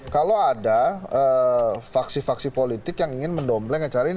kalau ada faksi faksi politik yang ingin mendompleng acara ini